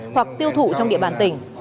hoặc tiêu thủ trong địa bàn tỉnh